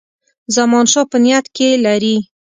زمانشاه په نیت کې لري.